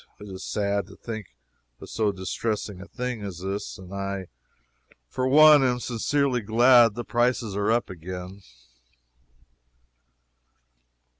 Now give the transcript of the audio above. It is sad to think of so distressing a thing as this, and I for one am sincerely glad the prices are up again.